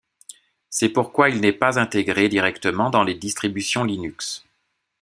C'est pourquoi il n'est pas intégré directement dans les distributions Linux.